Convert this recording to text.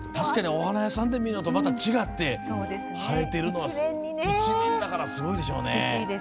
お花屋さんで見るのと違って、生えてるのは一面だから、すごいでしょうね。